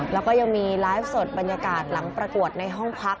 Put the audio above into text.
แล้วก็ยังมีไลฟ์สดบรรยากาศหลังประกวดในห้องพัก